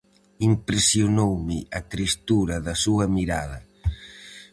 Impresionoume a tristura da súa mirada.